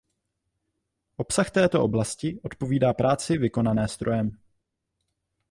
Obsah této oblasti odpovídá práci vykonané strojem.